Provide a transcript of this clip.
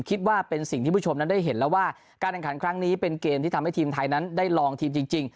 คิดว่าเป็นสิ่งที่ผู้ชมนั้นได้เห็นแล้วว่าการแข่งขันครั้งนี้เป็นเกมที่ทำให้ทีมไทยนั้นได้ลองทีมจริง